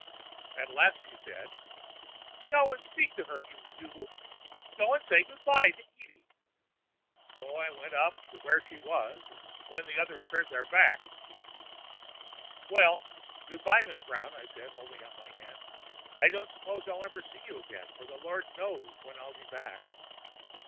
At last she said: "'Go and speak to her, you noodle; go and say good bye to Edie.' "So I went up to where she was, and, when the others turned their backs— "'Well, good bye, Miss Brown,' I said, holding out my hand; 'I don't suppose I'll ever see you again, for Lord knows when I'll be back.